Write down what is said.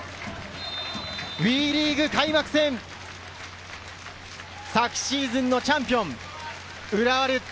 ＷＥリーグ開幕戦、昨シーズンのチャンピオン、浦和レッズ